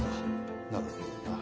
なるほどな。